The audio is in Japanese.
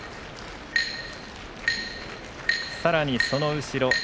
さらにその後ろ